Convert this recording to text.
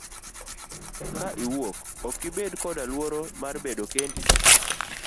Ka iwuok okibed koda luoro mar bedo kendi.